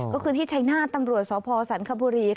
ก็คือที่ชัยนาธตำรวจสพสันคบุรี